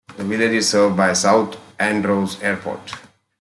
The village is serverd by South Andros Airport.